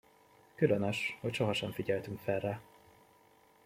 Különös, hogy sohasem figyeltünk fel rá.